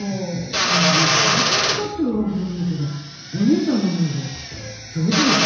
別に恥ずかしがってるわけじゃないけどお姉さんの方が上手でしょ。